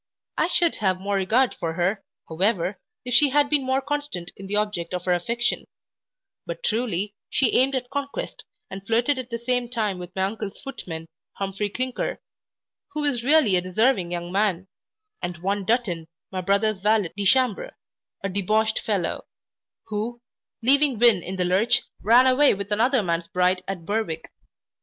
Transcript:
I should have more regard for her, however, if she had been more constant in the object of her affection; but, truly, she aimed at conquest, and flirted at the same time with my uncle's footman, Humphrey Clinker, who is really a deserving young man, and one Dutton, my brother's valet de chambre, a debauched fellow; who, leaving Win in the lurch, ran away with another man's bride at Berwick.